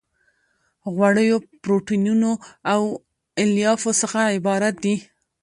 غوړیو پروتینونو او الیافو څخه عبارت دي.